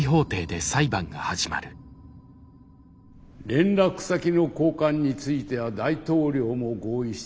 連絡先の交換については大統領も合意していた。